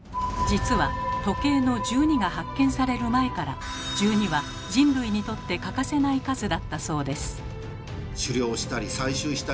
実は時計の１２が発見される前から１２は人類にとって欠かせない数だったそうです。